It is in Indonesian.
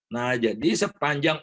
nah jadi sepanjang